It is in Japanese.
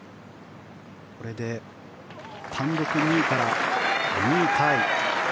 これで単独２位から２位タイ。